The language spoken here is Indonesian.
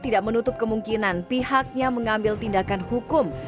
tidak menutup kemungkinan pihaknya mengambil tindakan hukum